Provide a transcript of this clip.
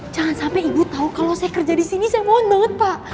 jangan sampai ibu tahu kalau saya kerja di sini saya mohon banget pak